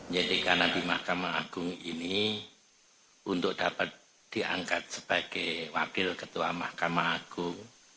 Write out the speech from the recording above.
jadi karena di mahkamah agung ini untuk dapat diangkat sebagai wakil ketua mahkamah agung